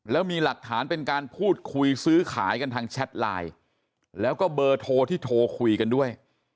แล้วมีหลักฐานเป็นการพูดคุยซื้อขายกันทางแชทไลน์แล้วก็เบอร์โทรที่โทรคุยกันด้วย